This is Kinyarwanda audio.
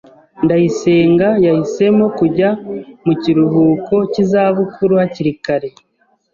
Ndayisenga yahisemo kujya mu kiruhuko cy'izabukuru hakiri kare.